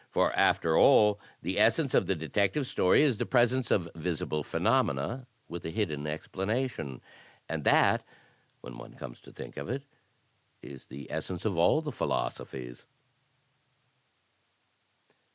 For after all the essence of ' the detective story is the presence of visible phenomena with a hidden explanation. And that, when one comes to think of it, is the essence of all the philosophies."